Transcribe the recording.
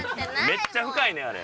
めっちゃ深いねんあれ。